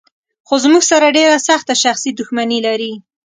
خو زموږ سره ډېره سخته شخصي دښمني لري.